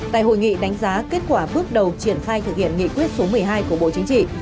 tại hội nghị đánh giá kết quả bước đầu triển khai thực hiện nghị quyết số một mươi hai của bộ chính trị